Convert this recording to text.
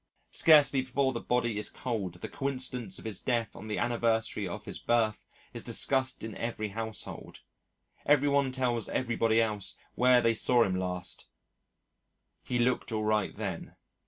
Scarcely before the body is cold the coincidence of his death on the anniversary of his birth is discussed in every household; every one tells everybody else where they saw him last "he looked all right then."